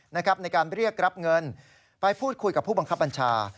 ในการเรียกรับเงินไปพูดคุยกับผู้บังคับบัญชา